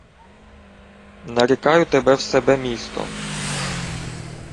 — Нарікаю тебе в себе місто.